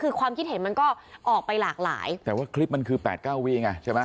คือความคิดเห็นมันก็ออกไปหลากหลายแต่ว่าคลิปมันคือ๘๙วีไงใช่ไหม